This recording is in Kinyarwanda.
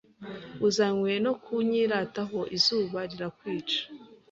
uzanywe no kunyirataho Izuba rirakwica